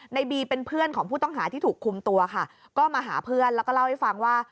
ในบีเป็นเพื่อนของผู้ต้องหาที่ถูกคุมตัวค่ะก็มาหาเพื่อนแล้วก็เล่าให้ฟังว่า